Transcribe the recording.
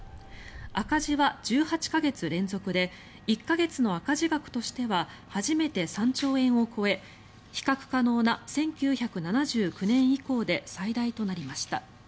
赤字は１８か月連続で１か月の赤字額としては初めて３兆円を超え比較可能な１９７９年以降で最大となりました。